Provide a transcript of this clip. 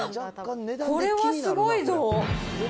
これはすごいぞ。